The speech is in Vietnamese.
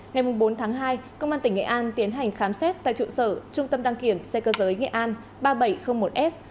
ngày bốn tháng hai công an tỉnh nghệ an tiến hành khám xét tại trụ sở trung tâm đăng kiểm xe cơ giới nghệ an ba nghìn bảy trăm linh một s